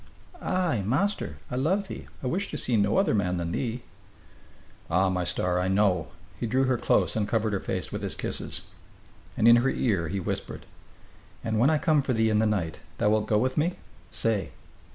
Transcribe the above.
"Ai, master, I love thee. I wish to see no other man than thee." "Ah, my star, I know!" He drew her close and covered her face with his kisses. And in her ear he whispered: "And when I come for thee in the night, thou wilt go with me? Say!"